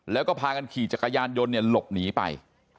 แล้วก็พากันขี่จักรยานยนต์หลบหนีไป